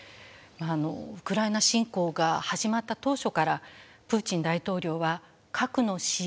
ウクライナ侵攻が始まった当初からプーチン大統領は核の使用